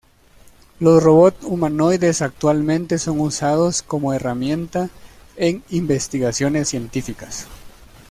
Los robots humanoides actualmente son usados como herramienta en investigaciones científicas.